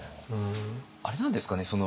あれなんですかね？